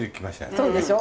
そうでしょ！